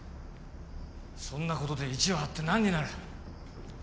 そんなことで意地を張って何になる？